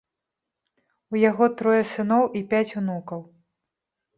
У яго трое сыноў і пяць унукаў.